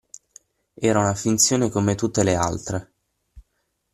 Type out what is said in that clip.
Era una finzione come tutte le altre.